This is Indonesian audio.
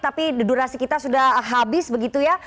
tapi durasi kita sudah habis begitu ya